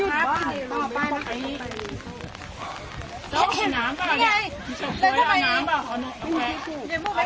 กับห้องน้องอย่างน้อยกับสุดท้ายที่เห็น